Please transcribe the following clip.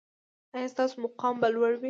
ایا ستاسو مقام به لوړ وي؟